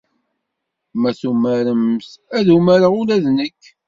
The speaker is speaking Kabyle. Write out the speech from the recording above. Ma tumaremt, ad umareɣ ula d nekk.